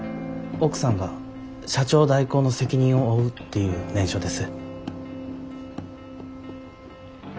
奥さんが社長代行の責任を負うっていう念書です。